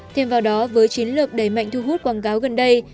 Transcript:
thêm vào đó với chiến lược đầy mạnh thu hút quảng cáo gần đây